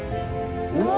うわ！